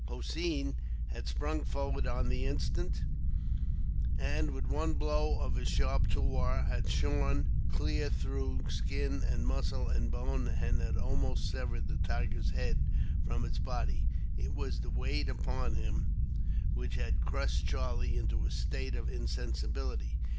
Hossein had sprung forward on the instant, and with one blow of his sharp tulwar, had shorn clear through skin and muscle and bone, and had almost severed the tiger's head from its body. It was the weight upon him which had crushed Charlie into a state of insensibility.